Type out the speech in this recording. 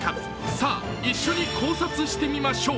さあ、一緒に考察してみましょう。